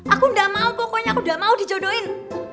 aku gak mau pokoknya aku udah mau dijodohin